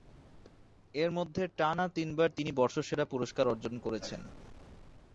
এর মধ্যে টানা তিনবার তিনি বর্ষসেরা পুরস্কার অর্জন করেছেন।